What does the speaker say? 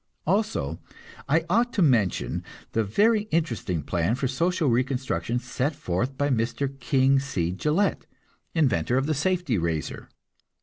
Also, I ought to mention the very interesting plan for social reconstruction set forth by Mr. King C. Gillette, inventor of the safety razor.